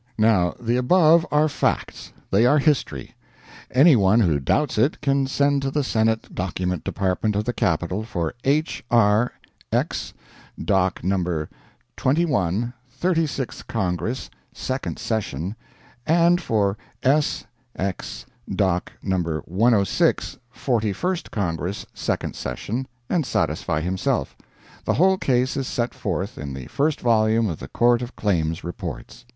Now the above are facts. They are history. Any one who doubts it can send to the Senate Document Department of the Capitol for H. R. Ex. Doc. No. 21, 36th Congress, 2d Session; and for S. Ex. Doc. No. 106, 41st Congress, 2d Session, and satisfy himself. The whole case is set forth in the first volume of the Court of Claims Reports.